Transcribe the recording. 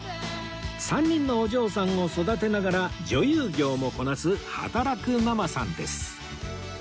３人のお嬢さんを育てながら女優業もこなす働くママさんです